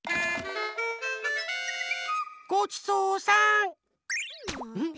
ごちそうさん。